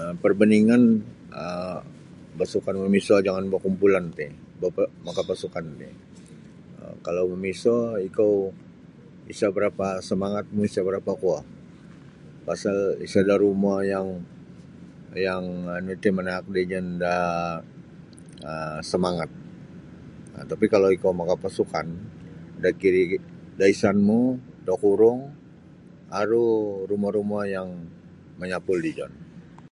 um Perbandingan um basukan mimiso jangan bakumpulan ti ba-ba maka pasukan ti um kalau mimiso ikau isa barapa samangat samangat mu isa barapa kuo pasal isada rumo yang yang nu iti manaak da ijun da um samangat tapi kalau ikau maka pasukan da kiri da isan mu da kurung aru rumo-rumo yang manyapul da ijun.